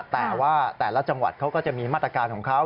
แต่ว่าแต่ละจังหวัดเขาก็จะมีมาตรการของเขา